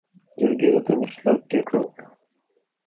جرګې د تمې خلاف پرېکړه وکړه.